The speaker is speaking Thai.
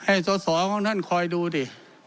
ให้ตัวสองของท่านคอยดูดิ